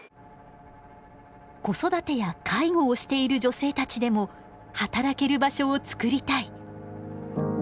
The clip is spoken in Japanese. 「子育てや介護をしている女性たちでも働ける場所を作りたい」。